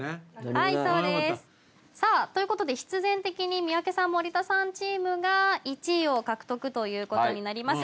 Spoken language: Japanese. はいそうですさあということで必然的に三宅さん森田さんチームが１位を獲得ということになります